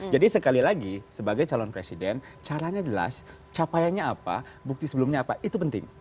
jadi sekali lagi sebagai calon presiden caranya jelas capaiannya apa bukti sebelumnya apa itu penting